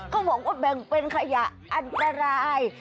เขาบอกว่าแบ่งเป็นขยะอันตราย